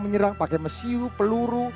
menyerang pakai mesiu peluru